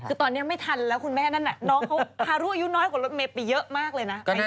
คือตอนนี้ไม่ทันแล้วคุณแม่นั้นน่ะ